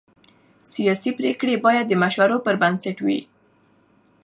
سیاسي پرېکړې باید د مشورو پر بنسټ وي